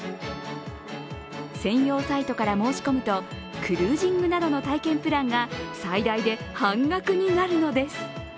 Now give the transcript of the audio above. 専用サイトから申し込むとクルージングなどの体験プランが最大で半額になるのです。